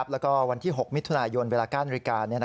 แล้วก็วันที่๖มิถุนายนเวลา๙นาฬิกา